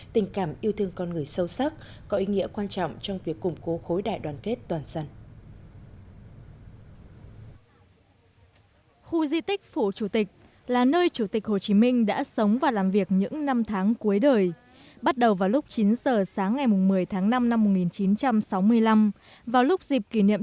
tình cảm yêu thương con người sâu sắc có ý nghĩa quan trọng trong việc củng cố khối đại đoàn kết toàn dân